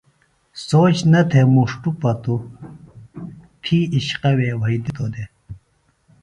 سوچ نہ تھےۡ مُݜٹوۡ پتوۡ تھی اِشقوے وھئدِتوۡ دےۡ۔